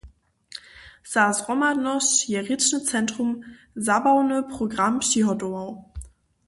Za zhromadnosć je rěčny centrum zabawny program přihotował.